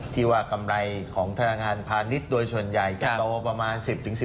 ที่ว่ากำไรของธนาคารพาณิชย์โดยส่วนใหญ่จะโตประมาณ๑๐๑๕